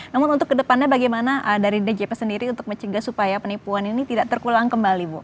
namun untuk kedepannya bagaimana dari djp sendiri untuk mencegah supaya penipuan ini tidak terulang kembali bu